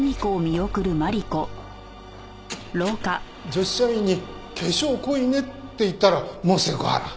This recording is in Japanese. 女子社員に化粧濃いねって言ったらもうセクハラ。